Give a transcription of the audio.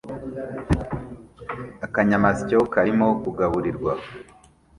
Akanyamasyo karimo kugaburirwa